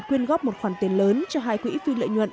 quyên góp một khoản tiền lớn cho hai quỹ phi lợi nhuận